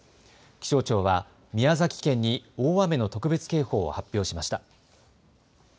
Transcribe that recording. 気象庁は宮崎県に大雨の特別警報を発表しました。